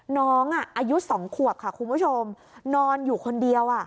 น้องอายุ๒ขวบค่ะคุณผู้ชมนอนอยู่คนเดียว